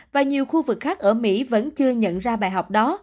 và nhiều khu vực khác ở mỹ vẫn chưa nhận ra bài học đó